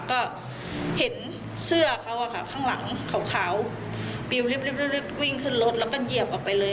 ก็เห็นเสื้อเขาอะค่ะข้างหลังขาวปิวลิบวิ่งขึ้นรถแล้วก็เหยียบออกไปเลย